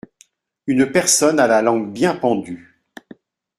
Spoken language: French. Une personne à la langue bien pendue.